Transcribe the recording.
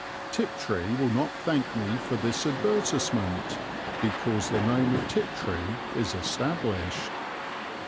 Tiptree will not thank me for this advertisement because the name of Tiptree is established.